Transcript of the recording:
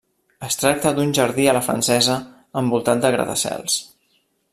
Es tracta d'un jardí a la francesa envoltat de gratacels.